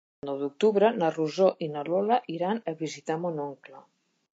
El nou d'octubre na Rosó i na Lola iran a visitar mon oncle.